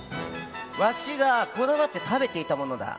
わしがこだわって食べていたものだ。